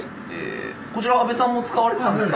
こちらは阿部さんも使われてたんですか？